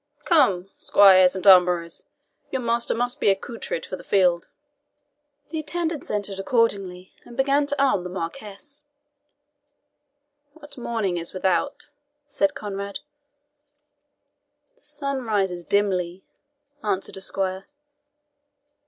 Come, squires and armourers, your master must be accoutred for the field." The attendants entered accordingly, and began to arm the Marquis. "What morning is without?" said Conrade. "The sun rises dimly," answered a squire.